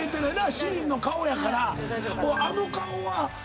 シーンの顔やから。